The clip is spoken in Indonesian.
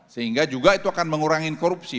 sehingga juga itu akan mengurangi korupsi